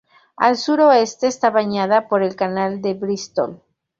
Al suroeste está bañada por el Canal de Bristol.